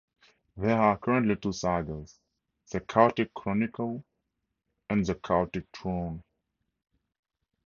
There are currently two sagas: "The Chaotic Chronicle" and "The Chaotic Throne".